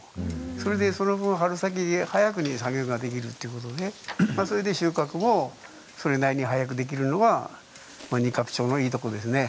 それでその分、春先、早くに作業ができるということで収穫もそれなりに早くできるのが新冠町のいいところですね。